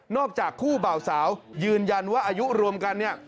จากคู่เบาสาวยืนยันว่าอายุรวมกันเนี่ย